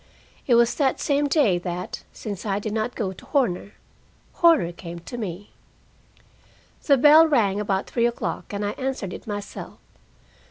It was that same day that, since I did not go to Horner, Horner came to me. The bell rang about three o'clock, and I answered it myself.